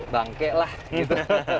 bangke lah gitu